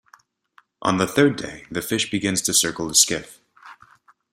On the third day, the fish begins to circle the skiff.